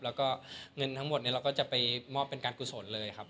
แล้วก็เงินทั้งหมดนี้เราก็จะไปมอบเป็นการกุศลเลยครับ